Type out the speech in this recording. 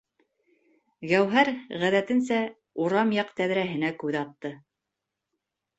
Гәүһәр, ғәҙәтенсә, урам яҡ тәҙрәһенә күҙ атты.